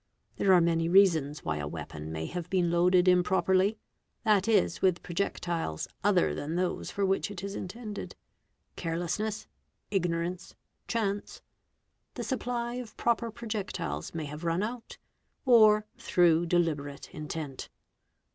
There are many reasons why a weapon may » have heen loaded improperly, that is, with projectiles other than those . for which it is intended: carelessness, ignorance, chance; the supply | of proper projectiles may have run out; or through deliberate intent.